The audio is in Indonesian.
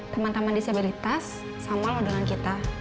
teman teman disabilitas sama lelah dengan kita